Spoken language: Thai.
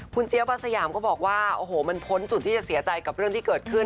คุณเจี๊ยบอาสยามก็บอกว่าโอ้โหมันพ้นจุดที่จะเสียใจกับเรื่องที่เกิดขึ้น